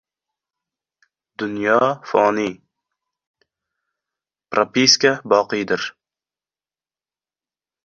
«Dunyo – foniy, propiska – boqiydir...»